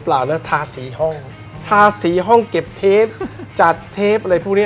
เปล่านะทาสีห้องเก็บเทปจัดเทปอะไรพวกนี้